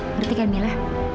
ngerti kan mila